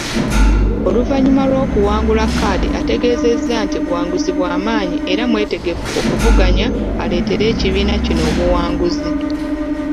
Oluvannyuma lw'okuwangula kkaadi ategeezezza nti buwanguzi bw'amaanyi era mwetegefu okuvuganya aleetere ekibiina kino obuwanguzi.